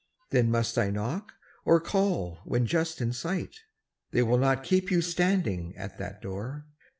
Then must I knock, or call when just in sight? They will not keep you standing at that door.